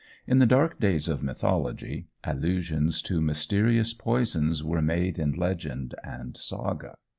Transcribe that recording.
In the dark days of mythology, allusions to mysterious poisons were made in legend and saga.